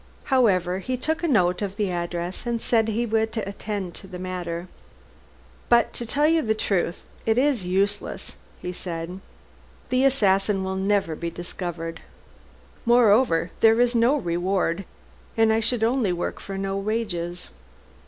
However, he took a note of the address, and said he would attend to the matter. "But, to tell you the truth, it is useless," he said. "The assassin will never be discovered. Moreover, there is no reward, and I should only work for no wages.